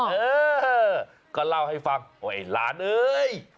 เออก็เล่าให้ฟังโอ๊ยหลานเอ้ย